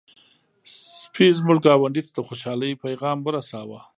سپي زموږ ګاونډی ته د خوشحالۍ پيغام ورساوه.